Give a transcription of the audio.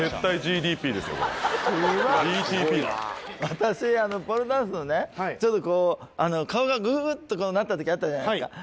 私ポールダンスのねちょっと顔がグっとなった時あったじゃないですか。